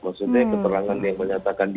maksudnya keterangan yang menyatakan